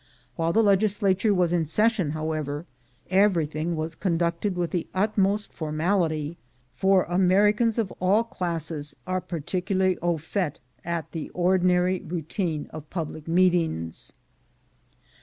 While the legislature was in session, however, everything was conducted with the utmost formality, for Americans of all classes are particularly au fait at the ordinary routine of public meetings.